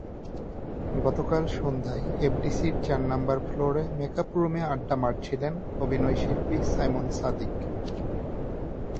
গতকাল সন্ধ্যায় এফডিসির চার নম্বর ফ্লোরে মেকআপ রুমে আড্ডা মারছিলেন অভিনয়শিল্পী সাইমন সাদিক।